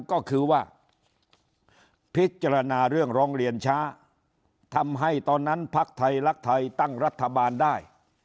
ก็คือว่าพิจารณาเรื่องร้องเรียนช้าทำให้ตอนนั้นภักดิ์ไทยรักไทยตั้งรัฐบาลได้